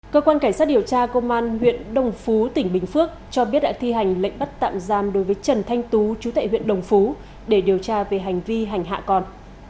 cơ quan cảnh sát điều tra công an huyện đồng phú tỉnh bình phước cho biết đã thi hành lệnh bắt tạm giam đối với trần thanh tú chú tại huyện đồng phú để điều tra về hành vi hành hạ còn